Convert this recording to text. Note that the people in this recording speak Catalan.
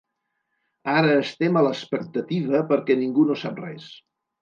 Ara estem a l’expectativa perquè ningú no sap res.